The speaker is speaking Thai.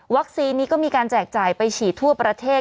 วัคซีนนี้ก็มีการแจกใจไปฉีดทั่วประเทศ